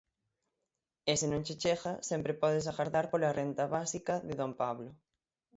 E se non che chega, sempre podes agardar pola renda básica de don Pablo.